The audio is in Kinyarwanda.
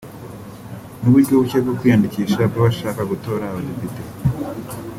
ni uburyo bushya bwo kwiyandikisha bw’abashaka gutora abadepite